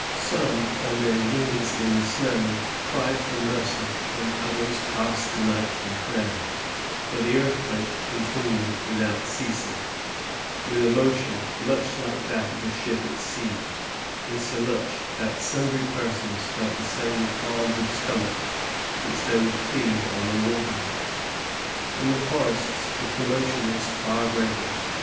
Some, on their knees in the snow, cried for mercy, and otheis passed the night in prayer; for the earthquake continued without ceasing, with a motion much like that of a ship at sea, insomuch that sundry persons felt the same qualms of stomach which they would feel on the water. In the forests the commotion was far greater.